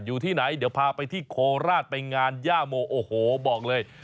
อยู่ที่ไหนเดี๋ยวพาไปที่โคราชไปงานย่าโมโอ้โหบอกเลย